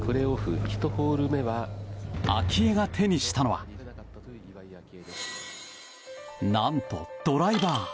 明愛が手にしたのは何とドライバー。